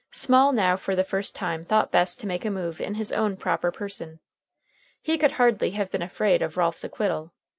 Small now for the first time thought best to make a move in his own proper person. He could hardly have been afraid of Ralph's acquittal.